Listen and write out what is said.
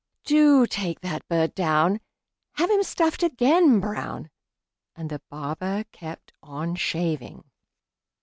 Do take that bird down; Have him stuffed again, Brown!" And the barber kept on shaving.